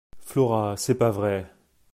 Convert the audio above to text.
Flora C’est pas vrai…